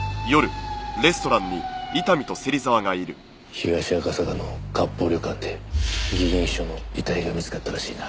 東赤坂の割烹旅館で議員秘書の遺体が見つかったらしいな。